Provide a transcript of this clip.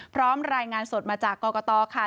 รายงานสดมาจากกรกตค่ะ